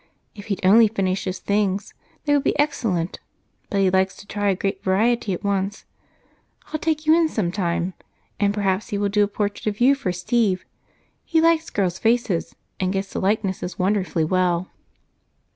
If he'd only finish his things, they would be excellent, but he likes to try a great variety at once. I'll take you in sometime, and perhaps he will do a portrait of you for Steve. He likes girls' faces and gets the likenesses wonderfully well."